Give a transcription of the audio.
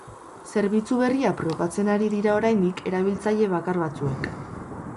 Zerbitzu berria probatzen ari dira oraindik erabiltzaile bakar batzuek.